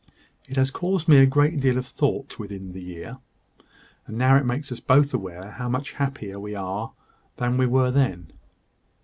It has caused me a great deal of thought within the year; and it now makes us both aware how much happier we are than we were then."